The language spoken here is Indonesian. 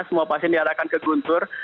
semua pasien diarahkan ke guntur